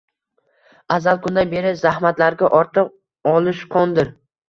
Azal kundan beri zahmatlarga ortiq olishqondir